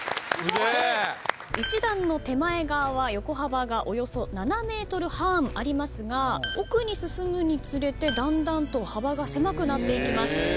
石段の手前側は横幅がおよそ７ｍ半ありますが奥に進むにつれてだんだんと幅が狭くなっていきます。